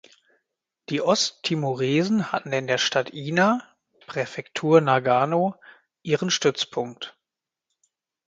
Die Osttimoresen hatten in der Stadt Ina (Präfektur Nagano) ihren Stützpunkt.